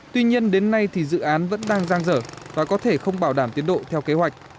tuy nhiên đến nay thì dự án vẫn đang giang dở và có thể không bảo đảm tiến độ theo kế hoạch